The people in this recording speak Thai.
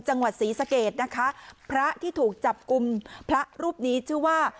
จังหวัดศรีสะเกดนะคะพระที่ถูกจับกลุ่มพระรูปนี้ชื่อว่า